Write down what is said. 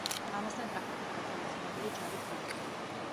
ამასთან ტრაქტატით გათვალისწინებული ჯარიც გამოგზავნა.